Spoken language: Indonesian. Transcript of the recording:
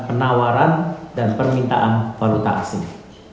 dan penawaran dan permintaan valuta asing